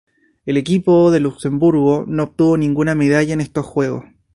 El equipo de Luxemburgo no obtuvo ninguna medalla en estos Juegos.